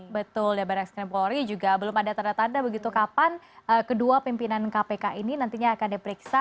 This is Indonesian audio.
betul dan barangkis kepulauan ria juga belum ada tanda tanda begitu kapan kedua pimpinan kpk ini nantinya akan diperiksa